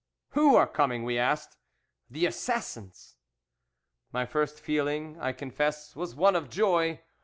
"'Who are coming?' we asked. "'The assassins!' "My first feeling, I confess, was one of joy.